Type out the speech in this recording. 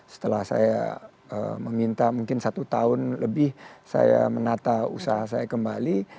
setelah saya meminta mungkin satu tahun lebih saya menata usaha saya kembali